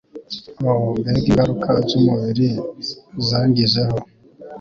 o mbega ingaruka z'umubiri zangizeho